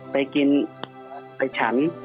ไปกินไอ้ฉัน